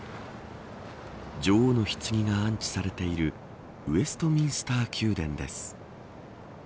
女王のひつぎが安置されているウェストミンスター宮殿です。